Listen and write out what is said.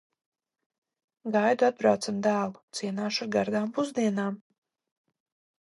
Gaidu atbraucam dēlu, cienāšu ar gardām pusdienām.